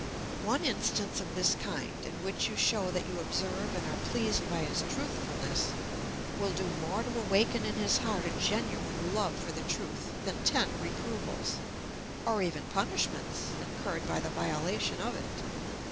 One instance of this kind, in which you show that you observe and are pleased by his truthfulness, will do more to awaken in his heart a genuine love for the truth than ten reprovals, or even punishments, incurred by the violation of it.